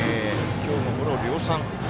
今日も、ゴロ量産。